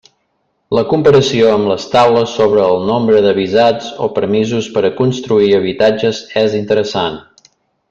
La comparació amb les taules sobre el nombre de visats o permisos per a construir habitatges és interessant.